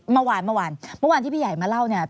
เมื่อวานเมื่อวานที่พี่ใหญ่มาเล่าเนี่ย